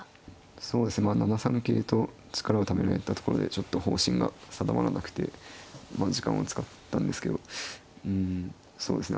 そうですねまあ７三桂と力をためられたところでちょっと方針が定まらなくて時間を使ったんですけどうんそうですね